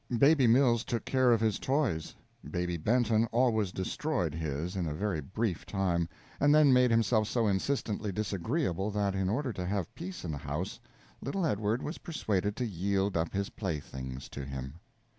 Baby Mills took care of his toys; Baby Benton always destroyed his in a very brief time, and then made himself so insistently disagreeable that, in order to have peace in the house, little Edward was persuaded to yield up his play things to him.